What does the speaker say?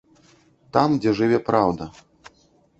Там, дзе жыве праўда.